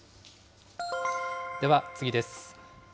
では次です。